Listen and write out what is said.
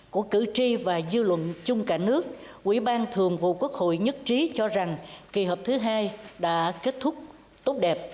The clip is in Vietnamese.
của cử tri và dư luận chung cả nước quỹ ban thường vụ quốc hội nhất trí cho rằng kỳ họp thứ hai đã kết thúc tốt đẹp